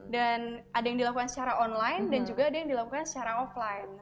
dan ada yang dilakukan secara online dan juga ada yang dilakukan secara offline